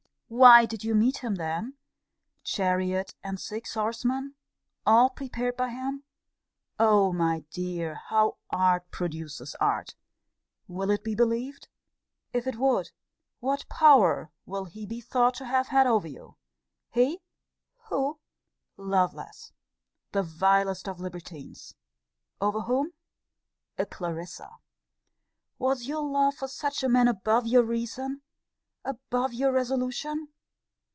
Why did you meet him then, chariot and six, horsemen, all prepared by him? O my dear, how art produces art! Will it be believed? If it would, what power will he be thought to have had over you! He Who? Lovelace! The vilest of libertines! Over whom? A Clarissa! Was your love for such a man above your reason? Above your resolution?